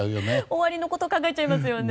終わりのこと考えちゃいますよね。